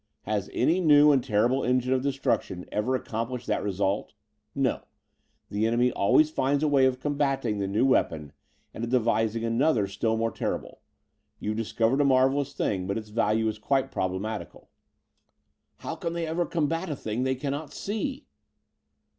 Has any new and terrible engine of destruction ever accomplished that result? No the enemy always finds a way of combating the new weapon and of devising another still more terrible. You've discovered a marvelous thing, but its value is quite problematical." "How can they ever combat a thing they cannot see?"